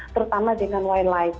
terutama dengan wildlife